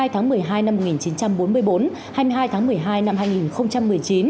hai mươi tháng một mươi hai năm một nghìn chín trăm bốn mươi bốn hai mươi hai tháng một mươi hai năm hai nghìn một mươi chín